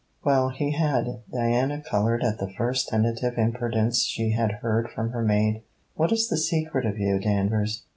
'Well, he had.' Diana coloured at the first tentative impertinence she had heard from her maid. 'What is the secret of you, Danvers?